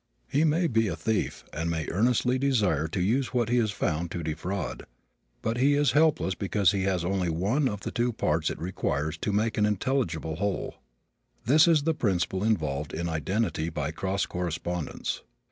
He may be a thief and may earnestly desire to use what he has found to defraud, but he is helpless because he has only one of the two parts it requires to make an intelligible whole. That is the principle involved in identity by cross correspondence.